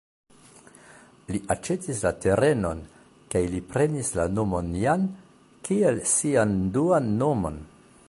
Li aĉetis la terenon, kaj li prenis la nomon "Jan" kiel sian duan nomon.